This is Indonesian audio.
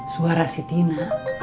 suara si tina